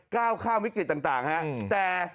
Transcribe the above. ก้าวข้ามวิกฤตต่างฮะแต่